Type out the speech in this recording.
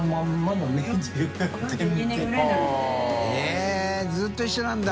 ┐Аずっと一緒なんだ。